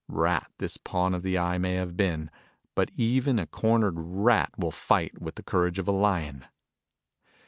Rat this pawn of the Eye may have been, but even a cornered rat will fight with the courage of a lion.